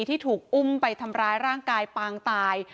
ที่ถูกอุ้มไปทำร้ายร่างกายปางตาย